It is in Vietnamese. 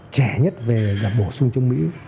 trẻ nhất về đặt bổ sung trong mỹ